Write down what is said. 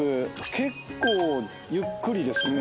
結構ゆっくりですね。